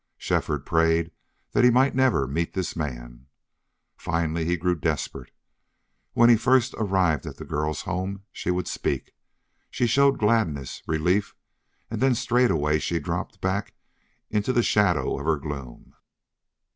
Shefford prayed that he might never meet this man. Finally he grew desperate. When he first arrived at the girl's home she would speak, she showed gladness, relief, and then straightway she dropped back into the shadow of her gloom.